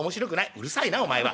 「うるさいなお前は。